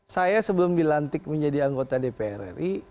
saya sebelum dilantik menjadi anggota dpr ri